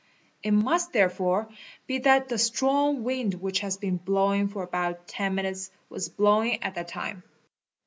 It must therefore be that the strong wind which has been : blowing for about 10 minutes was blowing at that time.